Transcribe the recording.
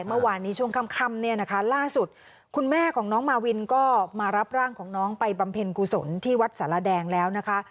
เมื่อวานนี้ช่วงค่ำเนี่ยนะคะล่าสุดคุณแม่ของน้องมาวินก็มารับร่างของน้องไปบำเพ็ญกุศลที่วัดสารแดงแล้วนะคะ